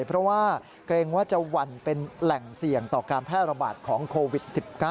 เพราะว่าเกรงว่าจะหวั่นเป็นแหล่งเสี่ยงต่อการแพร่ระบาดของโควิด๑๙